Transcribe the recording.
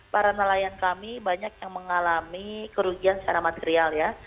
para nelayan kami banyak yang mengalami kerugian secara material ya